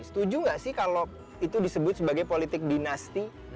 setuju nggak sih kalau itu disebut sebagai politik dinasti